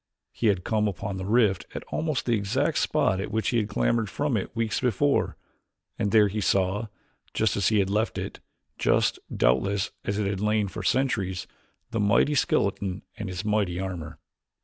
He had come upon the rift at almost the exact spot at which he had clambered from it weeks before, and there he saw, just as he had left it, just, doubtless, as it had lain for centuries, the mighty skeleton and its mighty armor.